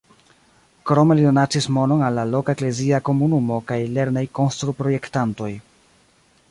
Krome li donacis monon al la loka eklezia komunumo kaj lernejkonstruprojektantoj.